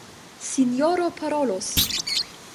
Sinjoro parolos!